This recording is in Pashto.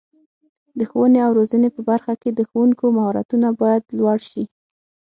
د ښوونې او روزنې په برخه کې د ښوونکو مهارتونه باید لوړ شي.